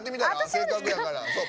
せっかくやから。